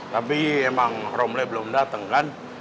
tapi memang romlya belum datang kan